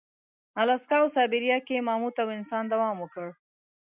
الاسکا او سابیریا کې ماموت او انسان دوام وکړ.